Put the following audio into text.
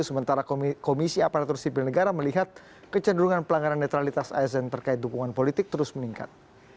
sementara komisi aparatur sipil negara melihat kecenderungan pelanggaran netralitas asn terkait dukungan politik terus meningkat